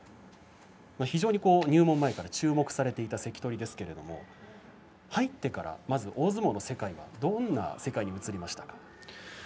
非常に入門前から注目されていた関取ですけれども入ってからまず大相撲の世界どんな世界に映りましたか？